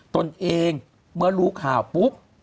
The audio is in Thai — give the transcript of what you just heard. ตนเองเมื่อรู้ข่าวปุ๊บ